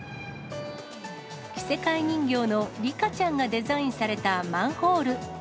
着せ替え人形のリカちゃんがデザインされたマンホール。